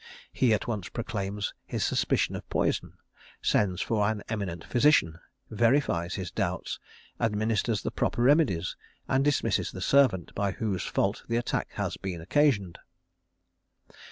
He at once proclaims his suspicion of poison, sends for an eminent physician, verifies his doubts, administers the proper remedies, and dismisses the servant by whose fault the attack has been occasioned.